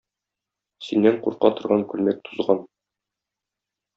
Синнән курка торган күлмәк тузган.